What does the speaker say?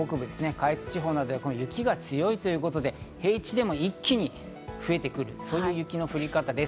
関越地方などでも雪が強いということで、平地でも一気に雪が増えてくる、そういう雪の降り方です。